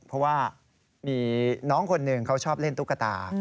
เพราะว่ามีน้องคนหนึ่งเขาชอบเล่นตุ๊กตา